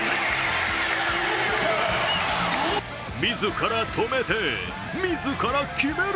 自ら止めて自ら決める！